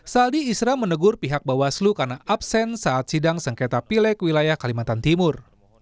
saldi isra menegur pihak bawaslu karena absen saat sidang sengketa pilek wilayah kalimantan timur